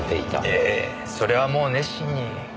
ええそれはもう熱心に。